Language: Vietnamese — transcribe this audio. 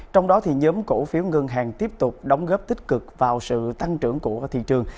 trong đó nhóm cổ phiếu ngân hàng tiếp tục đóng góp tích cực vào sự tăng trưởng của thị trường